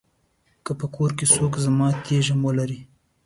که په کور کې څوک رماتیزم ولري.